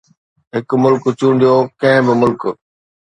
هڪ ملڪ چونڊيو، ڪنهن به ملڪ